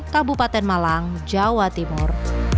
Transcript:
kabupaten malang jawa timur